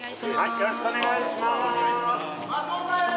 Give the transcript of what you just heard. よろしくお願いします